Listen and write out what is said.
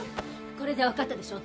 これでわかったでしょ？